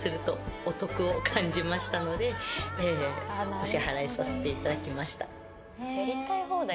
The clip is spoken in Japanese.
お支払いさせていただきました。